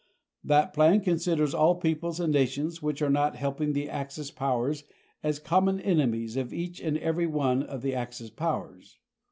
That plan considers all peoples and nations which are not helping the Axis powers as common enemies of each and every one of the Axis powers.